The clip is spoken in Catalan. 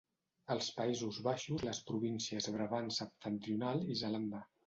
Als Països Baixos les províncies Brabant Septentrional i Zelanda.